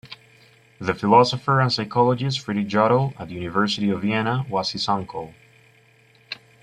The philosopher and psychologist Friedrich Jodl at the University of Vienna was his uncle.